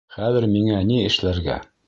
Хәҙер миңә ни эшләргә?